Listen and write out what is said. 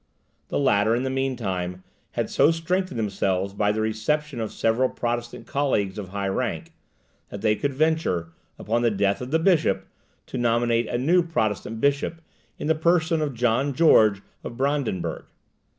The latter, in the meantime, had so strengthened themselves by the reception of several Protestant colleagues of high rank, that they could venture, upon the death of the bishop, to nominate a new Protestant bishop in the person of John George of Brandenburg.